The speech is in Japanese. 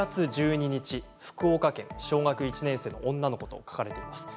１行目を見ると４月１２日福岡県小学１年生女の子と書かれています。